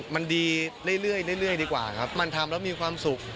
มันดีเรื่อยดีกว่าครับมันทำแล้วมีความสุข